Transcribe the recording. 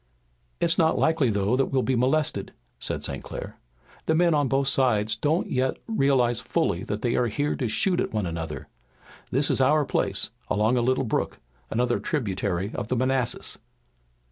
"It's not likely though that we'll be molested," said St. Clair. "The men on both sides don't yet realize fully that they are here to shoot at one another. This is our place, along a little brook, another tributary of the Manassas."